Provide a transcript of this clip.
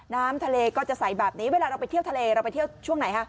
น้ำทะเลก็จะใสแบบนี้เวลาเราไปเที่ยวทะเลเราไปเที่ยวช่วงไหนฮะ